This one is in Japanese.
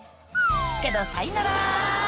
「けどさいなら」